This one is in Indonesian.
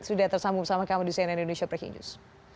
sudah tersambung bersama kami di cnn indonesia breaking news